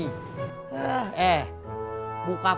dengan menjawab salam orang lain kayak saya tadi